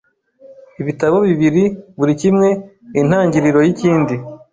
ibitabo bibiri buri kimwe nintangiriro yikindi